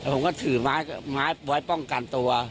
ผมก็ถือไม้ไว้ป้องกันตัว